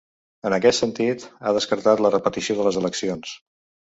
En aquest sentit, ha descartat la repetició de les eleccions.